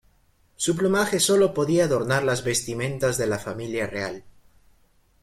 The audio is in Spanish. Su plumaje sólo podía adornar las vestimentas de la familia real.